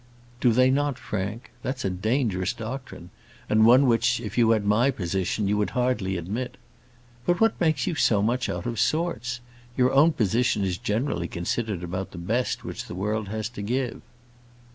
"Do they not, Frank? That's a dangerous doctrine; and one which, if you had my position, you would hardly admit. But what makes you so much out of sorts? Your own position is generally considered about the best which the world has to give."